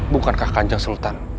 bukankah kanjang sultan